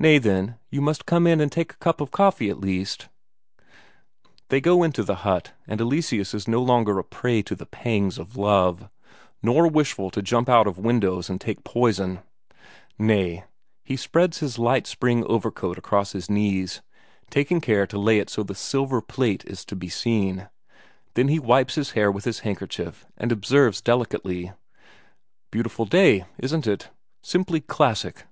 Nay, then, you must come in and take a cup of coffee at least." They go into the hut, and Eleseus is no longer a prey to the pangs of love, nor wishful to jump out of windows and take poison; nay, he spreads his light spring overcoat across his knees, taking care to lay it so the silver plate is to be seen; then he wipes his hair with his handkerchief, and observes delicately: "Beautiful day, isn't it simply classic!"